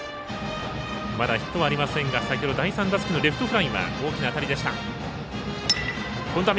まだヒットはありませんが第３打席のレフトフライは大きな当たりでした。